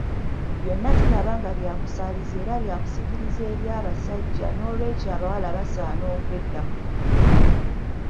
Byonna tulaba nga byakusaaliza era byakusikiriza eri abasajja nolwekyo abawala basaana okweddako